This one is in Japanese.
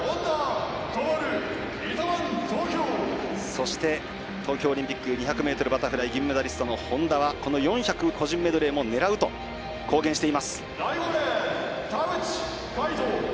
そして、東京オリンピック２００ｍバタフライ銀メダリストの本多はこの４００個人メドレーも狙うと公言しています。